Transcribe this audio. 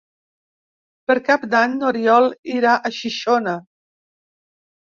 Per Cap d'Any n'Oriol irà a Xixona.